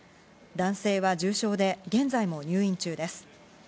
男性は重傷で現在も入院中です。